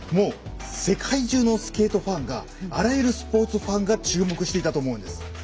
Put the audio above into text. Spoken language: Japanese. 世界中のスケートファンがあらゆるスポーツファンが注目していたと思うんです。